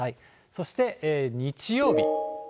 そして日曜日。